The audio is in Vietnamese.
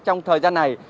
trong thời gian này